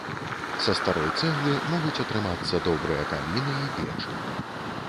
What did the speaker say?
Са старой цэглы могуць атрымацца добрыя каміны і печы.